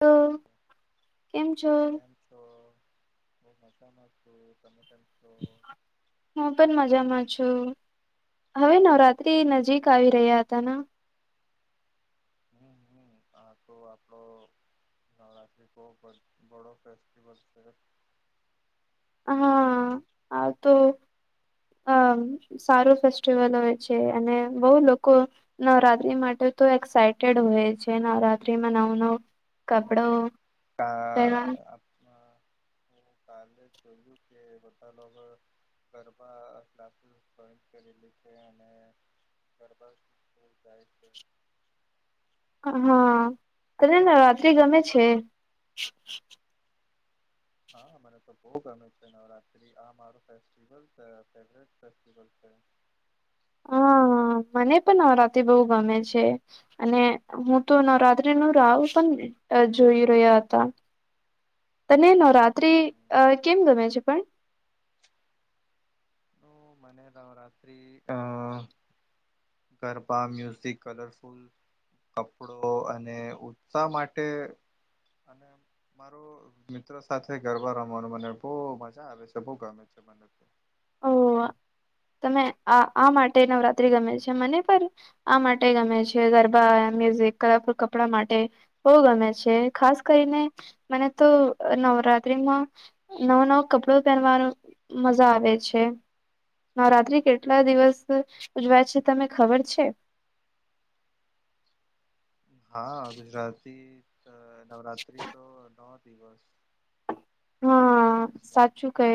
તો કેમ છો? કેમ છો? હું મજામાં છું. તમે કેમ છો? હું પન મજામાં છું. હવે નવરાત્રી નજીક આવી રહ્યા હતા ના. હમ્મ-હમ્મ. આ તો આપણો નવરાત્રી બહુ [unintelligible] ફેસ્ટિવલ છે. હા. આવ તો અમ્મ. સારું ફેસ્ટિવલ હોય છે. અને બહુ લોકો નવરાત્રી માટે તો એક્સાઈટેડ હોય છે. નવરાત્રીમાં નવ-નવ [unintelligible] પહેરવા કાલે જોયું કે બધા લોકો ગરબા [unintelligible] રીતે. અને ગરબા [unintelligible] અહા. તને નવરાત્રિ ગમે છે? હા. મને તો બહુ ગમે છે નવરાત્રી. આ મારો ફેસ્ટિવલ [unintelligible] ફેવરેટ ફેસ્ટિવલ છે. [inaudible] હા મને પણ નવરાતી બહુ ગમે છે. અને હું તો નવરાત્રી નું રાવ પણ જોઈ રહ્યા હતા. તને નવરાત્રી હમ. અહ કેમ ગમે છે પણ? અહ મને નવરાત્રી અહ ગરબા, મ્યુઝિક, કલરફુલ કપડો અને ઉત્સાહ માટે અને મારો મિત્રો સાથે ગરબા રમવાનું મને બહુ મજા આવે છે, બહુ ગમે છે મને. ઓહ તમે આ-આ માટે નવરાત્રી ગમે છે. મને પણ આ માટે ગમે છે. ગરબા, એ મ્યુઝિક ક્લબ, કપડા માટે બહુ ગમે છે. ખાસ કરીને મને તો નવરાત્રીમાં નવો-નવો કપડો પહેરવાનો મજા આવે છે. નવરાત્રી કેટલા દિવસ ઉજવાય છે તને ખબર છે? હા. ગુજરાતી તો નવરાત્રી તો નો દિવસ. હા ઉજવાય છે સાચું કહે,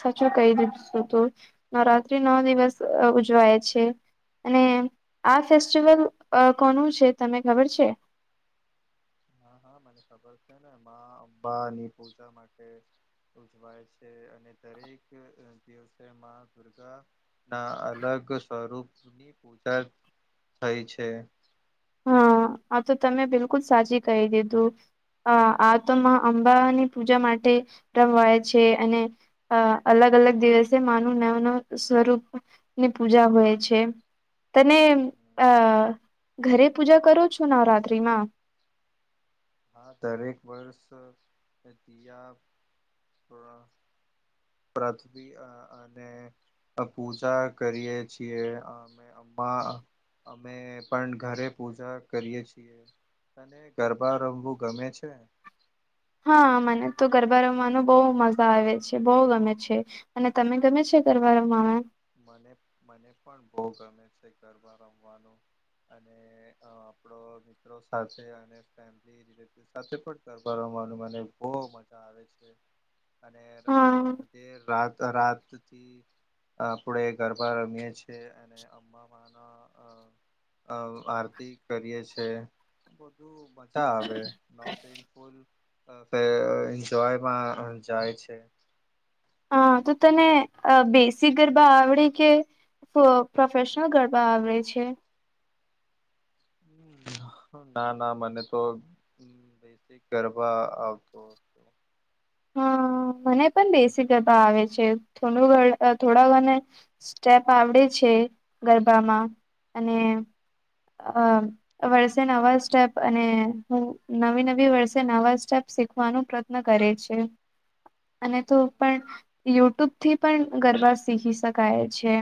સાચું કહી દીધીશું તું. નવરાત્રી નવ દિવસ ઉજવાય છે. અને આ ફેસ્ટિવલ અહ કોનું છે તને ખબર છે? હા, હા મને ખબર છે ને. મા અંબા ની પૂજા માટે ઉજવાય છે. અને દરેક દસ દિવસ તેમાં દુર્ગાના અલગ સ્વરૂપની ની પૂજા થાય છે. હા. આ તો તમે બિલકુલ સાચી કહી દીધું. અહ આ તો માં અંબા ની પૂજા માટે રમવાય છે. અને અહ અલગ-અલગ દિવસે માનું નવું-નવું સ્વરૂપ ની પૂજા હોય છે. તને અહ ઘરે પૂજા કરો છો નવરાત્રીમાં? હા દરેક વર્ષ [inaudible] થોડા પૃથ્વી અહ અને પૂજા કરીએ છીએ. અમે રમવા અમે પણ ઘરે પૂજા કરીએ છીએ. તને ગરબા રમવું ગમે છે? હા મને તો ગરબા રમવાનો બહુ મજા આવે છે. બહુ ગમે છે. અને તમે ગમે છે ગરબા રમવાના? મને-મને પણ બઉ ગમે છે ગરબા રમવાનું. અને અહ આપણો મિત્રો સાથે અને [unintelligible] [unintelligible] સાથે પણ ગરબા રમવાનું મને બોઉ મજા આવે છે. અને હા [unintelligible] રાત રાતથી આપણેે ગરબા રમીએ છીએ. અને અંબામાંનો અહ-અહ-અહ આરતી કરીએ છે. [unintelligible] બધા આવે [unintelligible] [unintelligible] એન્જોયમાં જાય છે. હા. તો તને અહ બેસીક ગરબા આવડે કે ફ પ્રોફેશનલ ગરબા આવડે છે? ના, ના. મને તો બેઝીક ગરબા આવતો. હતો હા. મને પણ બેઝીક ગરબા આવે છે. થોડું ઘણ થોડા ઘને સ્ટેપ આવડે છે ગરબામાં. અને અમ્મ વર્ષે નવા સ્ટેપ અને હું નવી-નવી વર્ષે નવા સ્ટેપ શીખવાનું પ્ર યત્ન કરે છે. અને તો પણ યુટ્યુબ થી પણ ગરબા શીખી શકાય છે.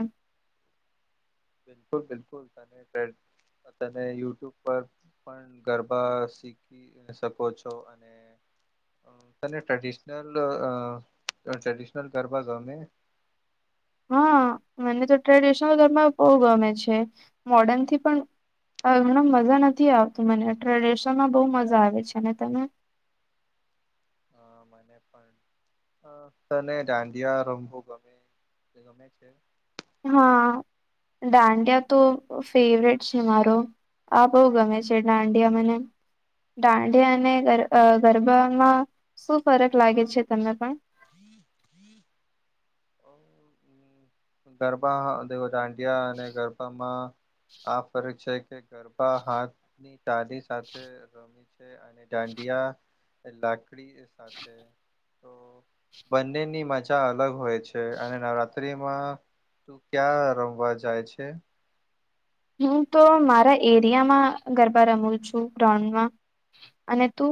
બિલકુલ-બિલકુલ. તનેે [unintelligible] [unintelligible] તને યુટ્યુબ પર પણ ગરબા શીખી [unintelligible] શકો છો. અને અહ તને ટ્રેડિશનલ અહ ટ્રેડિશનલ ગરબા ગમે? હા. મને તો ટ્રેડિશનલ ગરબા બહુ ગમે છે. મોર્ડર્નથી પણ [unintelligible] મજા નથી આવતી મને. ટ્રેડિશનલમાં બઉ મજા આવે છે. અને તને? હા મને પણ. અહ તને દાંડિયા રમવુ ગમે [inaudible] ગમે છે? હા. દાંડિયા તો ફેવરેટ છે મારો. આ બહુ ગમે છે દાંડિયા મને. દાંઢિયા અને અ ગર-ગરબામાં શું ફરક લાગે છે તમને પણ [inaudible] ગરબા અ દેવ દાંડિયા અને ગરબામાં આ ફરક છે, કે ગરબા હાથની તાદી સાથે રમી અને દાંડિયા લાકળી સાથે તો બંનેની મજા અલગ હોય છે અને નવરાત્રીમાં તું ક્યાં રમવા જાય છે હું તો મારા એરિયામાં ગરબા રમું છું ગ્રઉન્ડમાં, અને તું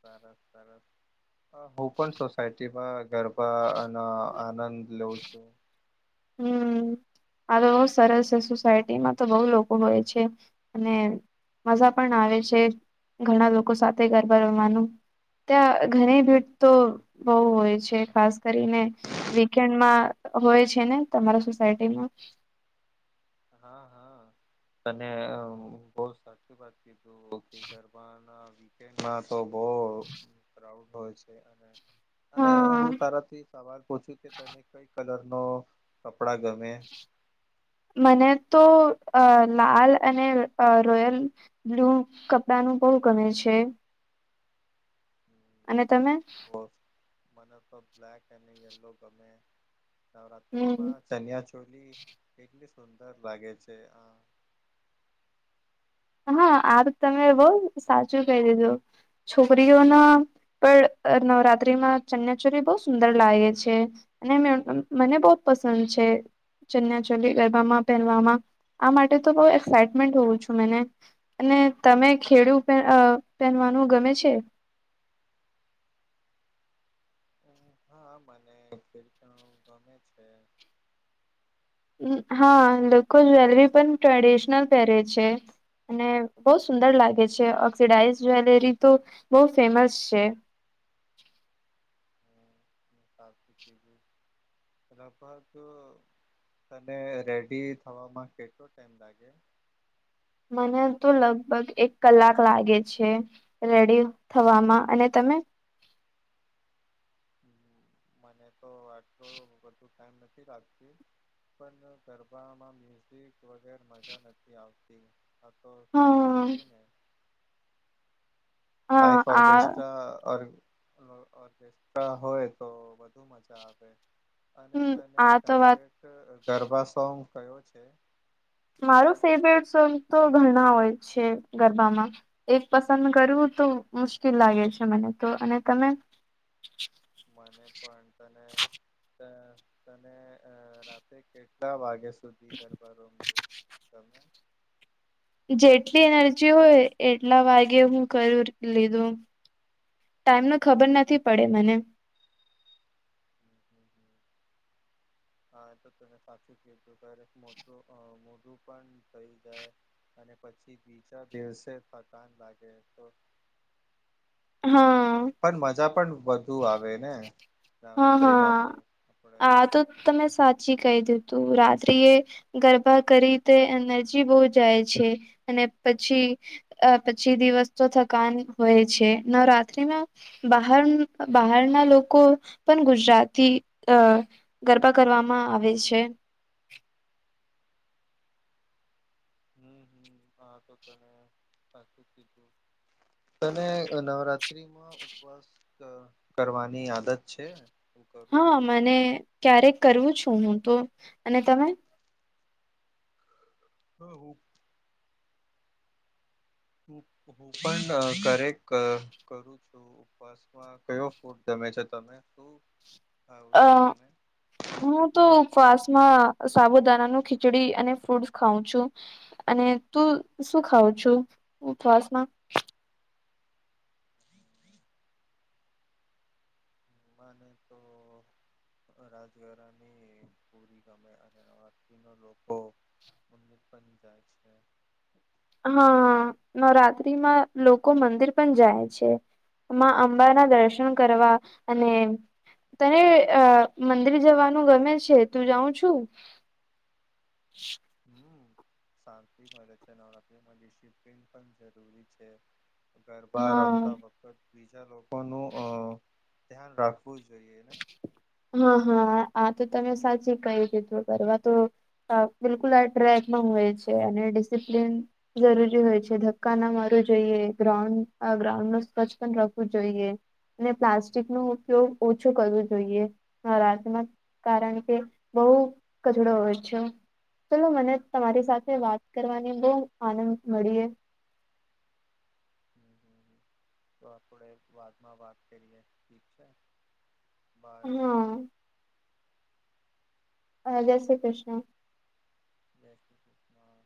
સરસ, સરસ અ હું પણ સોસાયટી માં ગરબા અન આનંદ લઉ છું હમ્મ આ લો સરસ સે સોસાયટીમાં તો બો લોકો હોય છે, અને મજા પણ આવે છે, ઘણા લોકો સાથે ગરબા રમવાનું ત્યાં ઘણી ભીડ તો બો હોય છે, ખાસ કરીને વીકેન્ડમાં હોય છે ને તમારા સોસાયટીમાં હા, હા તને અ હું બો સાચી વાત કીધું કે ગરબા ના વીકેન્ડમાં તો બો ક્રાઉડ હોય છે, અને અને હા હું તારાથી સવાલ પૂછું કે તને કઈ કલર નો કપડા ગમે મને તો અ લાલ અને અ રોયલ બ્લુ કપડા નું બો ગમે છે અને તમે બોલ મને તો બ્લાક અને યેલો ગમે નવરાત્રી માં હમ ચન્યા ચોલી કેટલી સુંદર લાગે છે આ હા, આ તો તમે બોવ સાચું કેય દીધું છોકરીઓના પર અ નવરાત્રીમાં ચન્યાચોરી બોવ સુંદર લાગે છે અને મેં અ મને બો પસંદ છે ચન્યા ચોલી ગરબામાં પેરવામાં આ માટે તો, બો એક્સાઈટમેન્ટ હોવું જુએ ને અને તમે ખેડુ પેર અ પેહેનવાનું ગમે છે હા મને પેલું ગમે છે હા લોકો જ્વેલરી પણ ટ્રેડિશનલ પેરે છે, અને બો સુંદર લાગે છે ઓક્સિડાઇઝ જ્વેલરી તો બો ફેમસ છે હા, હમ લગભગ તને રેડી થવામાં કેટલો ટાઈમ લાગે મને તો લગભગ એક કલાક લાગે છે રેડી થવામાં, અને તમે મને તો આટલો બધું ટાઈમ નથી લાગતી પણ ગરબામાં મ્યુઝિક વગેર મજા નથી આવતી આ તો સાચુ હા કેવ ને હા લઇફ આ ઓરકેસ્ટ્રા ઓર અ ઓર્કેસ્ટ્રા હોય તો વધુ મજા આવે અને હમ તને આ તો વાત ફેવરેટ ગરબા સોંગ કયો છે મારું ફેવરેટ સોંગ તો ઘણા હોય છે ગરબામાં એક પસંદ કરવું તો મુશ્કિલ લાગે છે મને તો, અને તમે મને પણ તને, ત અ તને અ રાતે કે ટલા વાગે સુધી ગરબા રવમુ ગમે જેટલી એનર્જી હોય એટલા વાગે હું કરું લીધું. ટાઈમ નો ખબર નથી પડે મને. હા, એ તો તને સાચું કીધું. [unintelligible] પણ થઈ જાય. અને પછી બીજા દિવસે થકાન લાગે. તો હા પન-પન મજા પણ વધુ આવે ને હા નવરાત્રિમાં હા તો આપણે. આ તો તમે સાચી કહી દીધું તું. રાત્રિ એ ગરબા કરી તે એનર્જી બહુ જાય છે. અને પછી અહ પછી દિવસ તો થકાન હોય છે. નવરાત્રીમાં બહાર-બહારના લોકો પણ ગુજરાતી અહ ગરબા કરવામાં આવે છે. હમ્મ-હમ્મ. આ તો તને સાચું કીધું. તને નવરાત્રીમાં ઉપ વાસ ક કરવાની આદત છે? હું કરું હા છું મને ક્યારેક કરવું છું હું તો. અને તમે? હા હું તું હું પણ કરેક કરું છું. ઉપવાસ કયો ફૂડ ગમે છે તમે? શું ખાવ અ છો તમે? હું તો ઉપવાસમાં સાબુદાના નો ખીચડી, અને ફ્રૂટસ ખાઉં છું. અને તું શું ખાવ છું ઉપવાસ માં? મને તો આ રાજગરાની પૂરી ગમે. અને [inaudible] ના લોકો [inaudible] બની જાય છે. હા નવરાત્રીમાં લોકો મંદિર પણ જાય છે. માં અંબા ના દર્શન કરવા. અને તને અહ મંદિર જવાનું ગમે છે? તું જાઉં છું? [inaudible] હમ્મ. શાંતિ મળે છે. નવરાત્રિમાં ડિસીપ્લીન પણ જરૂરી છે. ગરબા હા રમતા વખત બીજા લોકો નું અહ ધ્યાન રાખવું જોઈએ ને. હા, હા. આ તો તમે સાચી કહી દીધું. [unintelligible] અહ બિલકુલ આ ટ્રેકમાં હોઈએ છે. અને ડિસિપ્લીન જરૂરી હોય છે. ધક્કા ના મારવું જોઈએ, ગ્રાઉન્ડ અહ ગ્રાઉન્ડ નું સ્વચ્છ પણ રાખવું જોઈએ. ને પ્લાસ્ટિક નો હમ ઉપયોગ ઓછો કરવો જોઈએ. નવરાત્રિમાં. કારણ કે બહુ કચરો હોય છો. ચલો મને તમારી સાથે વાત કરવાની બહુ આનંદ મળીએ. હમ [unintelligible] વાતમાં વાત કરીએ. ઠીક છે? બાય હા. અહ જય શ્રી કૃષ્ણ. જય કૃષ્ણ